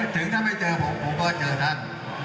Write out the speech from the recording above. ถึงถ้าไม่เจอผมก็เจอฉัน